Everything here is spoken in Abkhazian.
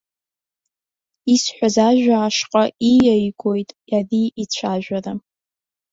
Исҳәаз ажәа ашҟа ииаигоит ари ицәажәара.